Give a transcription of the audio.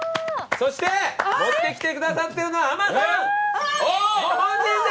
そして持ってきてくださってるのは濱さんご本人です！